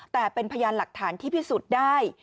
แต่เป็นพยานหลักฐานที่พิสูจน์ได้